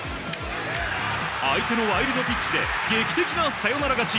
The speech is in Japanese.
相手のワイルドピッチで劇的なサヨナラ勝ち。